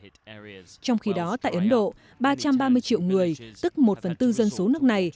trong khi đó tại ấn độ ba trăm ba mươi triệu người tức một phần tư dân số nước này